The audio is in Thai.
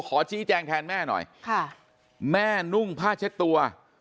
ขอชี้แจงแทนแม่หน่อยค่ะแม่นุ่งผ้าเช็ดตัว